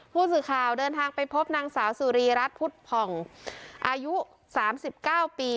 ผู้สื่อข่าวเดินทางไปพบนางสาวสุรีรัฐพุทธพรรมอายุสามสิบเก้าปี